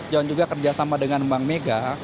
dan juga kerjasama dengan bank mega